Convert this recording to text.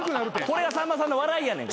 これがさんまさんの笑いやねん。